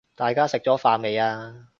大家食咗飯未呀？